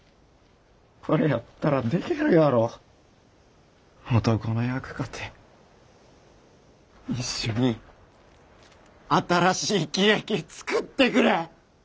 これやったらできるやろ男の役かて。一緒に新しい喜劇作ってくれ。